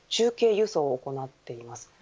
輸送を行っています。